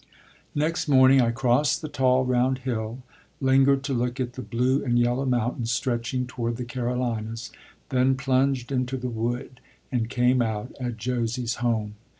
Next morning I crossed the tall round hill, lingered to look at the blue and yellow mountains stretching toward the Carolinas, then plunged into the wood, and came out at Josie's home.